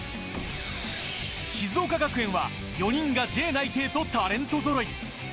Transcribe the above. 静岡学園は４人がＪ内定とタレントぞろい。